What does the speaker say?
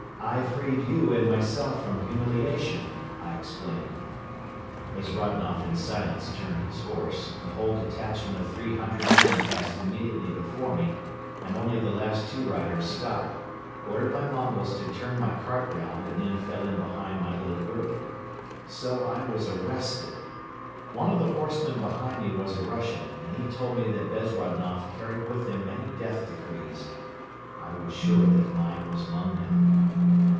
"I freed you and myself from humiliation," I explained. Bezrodnoff in silence turned his horse, the whole detachment of three hundred men passed immediately before me and only the last two riders stopped, ordered my Mongols to turn my cart round and then fell in behind my little group. So I was arrested! One of the horsemen behind me was a Russian and he told me that Bezrodnoff carried with him many death decrees. I was sure that mine was among them.